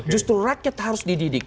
justru rakyat harus dididik